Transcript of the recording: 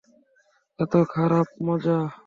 এতো খারাপ মজা।